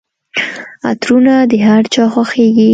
عطرونه د هرچا خوښیږي.